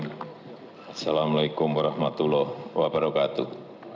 assalamualaikum warahmatullahi wabarakatuh